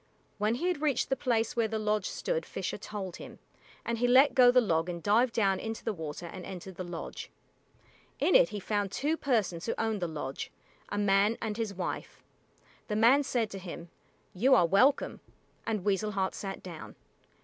When he had reached the place where the lodge stood Fisher told him, and he let go the log and dived down into the water and entered the lodge. In it he found two persons who owned the lodge, a man and his wife. The man said to him, "You are welcome," and Weasel Heart sat down.